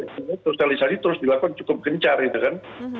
ini sosialisasi terus dilakukan cukup gencar ya kan